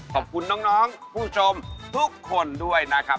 ขอบคุณน้องผู้ชมทุกคนด้วยนะครับ